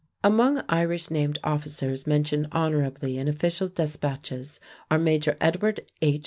Among Irish named officers mentioned honorably in official despatches are Major Edward H.